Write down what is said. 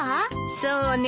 そうね。